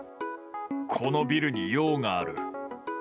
このビルに用がある。